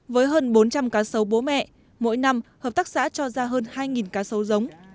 với hơn bốn trăm linh cá sấu bố mẹ mỗi năm hợp tác xã cho ra hơn hai cá sấu giống